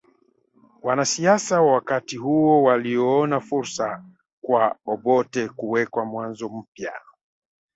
Wanasiasa wa wakati huo waliona fursa kwa Obote kuweka mwanzo mpya